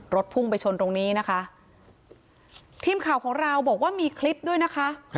พุ่งไปชนตรงนี้นะคะทีมข่าวของเราบอกว่ามีคลิปด้วยนะคะ